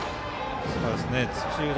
土浦